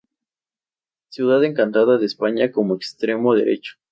Ciudad Encantada de España como extremo derecho.